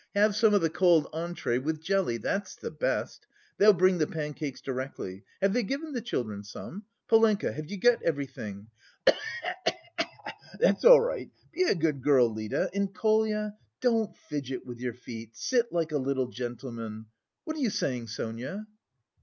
Have some of the cold entrée with jelly, that's the best. They'll bring the pancakes directly. Have they given the children some? Polenka, have you got everything? (Cough cough cough.) That's all right. Be a good girl, Lida, and, Kolya, don't fidget with your feet; sit like a little gentleman. What are you saying, Sonia?"